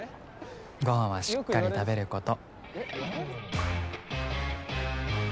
ご飯はしっかり食べること」。